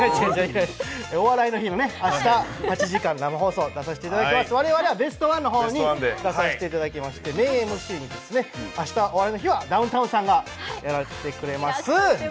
「お笑いの日」は明日８時間生放送に出させていただきます、我々は「ベストワン」の方に出させていただきましてメインＭＣに、「お笑いの日」はダウンタウンさんがやられています。